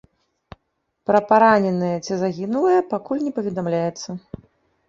Пра параненыя ці загінулыя пакуль не паведамляецца.